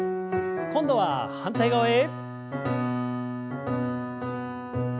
今度は反対側へ。